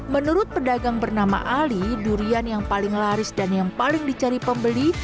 menurut pedagang bernama ali durian yang paling laris dan yang paling dicari pembeli